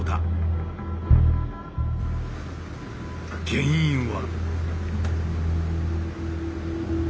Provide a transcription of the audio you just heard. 原因は。